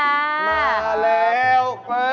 มาแล้ว